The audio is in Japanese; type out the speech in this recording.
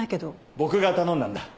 僕が頼んだんだ。